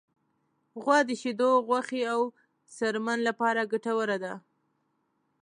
غوا د شیدو، غوښې، او څرمن لپاره ګټوره ده.